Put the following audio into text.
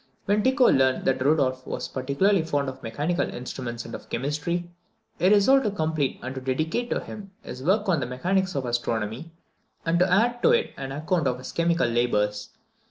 When Tycho learned that Rudolph was particularly fond of mechanical instruments and of chemistry, he resolved to complete and to dedicate to him his work on the mechanics of astronomy, and to add to it an account of his chemical labours.